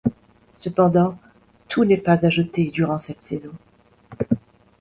Cependant, tout n'est pas à jeter durant cette saison.